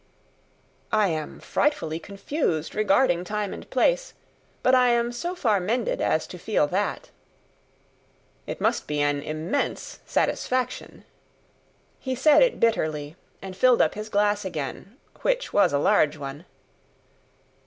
"I am frightfully confused regarding time and place; but I am so far mended as to feel that." "It must be an immense satisfaction!" He said it bitterly, and filled up his glass again: which was a large one.